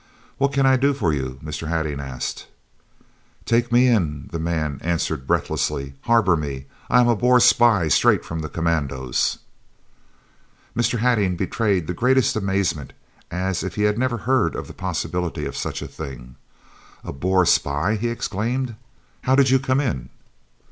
"What can I do for you?" Mr. Hattingh asked. "Take me in," the man answered breathlessly. "Harbour me. I am a Boer spy, straight from the commandos." Mr. Hattingh betrayed the greatest amazement, as if he had never heard of the possibility of such a thing. "A Boer spy!" he exclaimed. "How did you come in?"